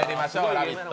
「ラヴィット！」